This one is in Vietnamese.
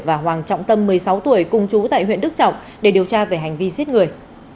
và hoàng trọng tâm một mươi sáu tuổi cùng chú tại huyện đức trọng để điều tra về hành vi giết người